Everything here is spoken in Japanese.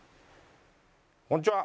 こんちは！